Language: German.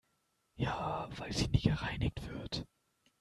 Ja, weil sie nie gereinigt wird.